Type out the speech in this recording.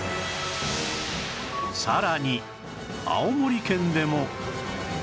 さらに青森県でも